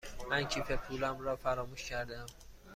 من کیف پولم را فراموش کرده ام.